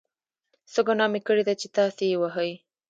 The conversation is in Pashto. څه ګناه مې کړې ده چې تاسې یې وهئ.